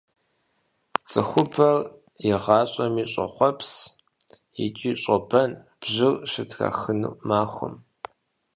ЦӀыхубэр игъащӀэми щӀохъуэпс икӀи щӀобэн бжьыр щытрахыну махуэм.